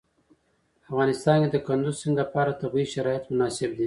په افغانستان کې د کندز سیند لپاره طبیعي شرایط مناسب دي.